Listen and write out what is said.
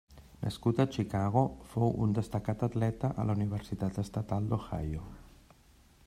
Nascut a Chicago, fou un destacat atleta a la Universitat Estatal d'Ohio.